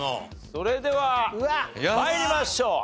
それでは参りましょう。